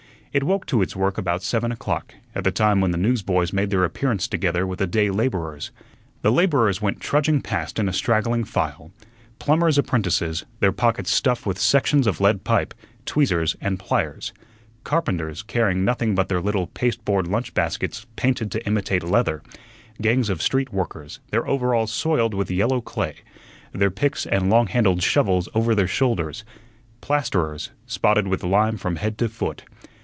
It woke to its work about seven o'clock, at the time when the newsboys made their appearance together with the day laborers. The laborers went trudging past in a straggling file plumbers' apprentices, their pockets stuffed with sections of lead pipe, tweezers, and pliers; carpenters, carrying nothing but their little pasteboard lunch baskets painted to imitate leather; gangs of street workers, their overalls soiled with yellow clay, their picks and long handled shovels over their shoulders; plasterers, spotted with lime from head to foot.